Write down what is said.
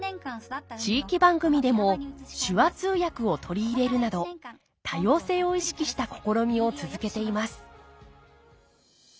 地域番組でも手話通訳を取り入れるなど多様性を意識した試みを続けています